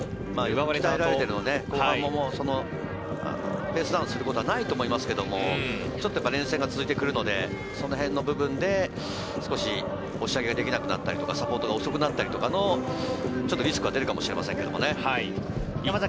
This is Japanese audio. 後半もペースダウンすることはないと思いますけど、ちょっと連戦が続いてくるのでその辺の部分で、少し押し上げできなくなったりとか、サポートが遅くなったりとかのリスクは出るかもしれませんけどね。